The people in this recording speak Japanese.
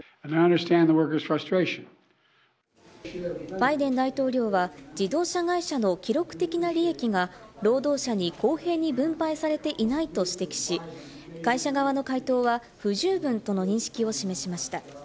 バイデン大統領は、自動車会社の記録的な利益が労働者に公平に分配されていないと指摘し、会社側の回答は不十分との認識を示しました。